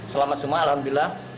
selamat semua alhamdulillah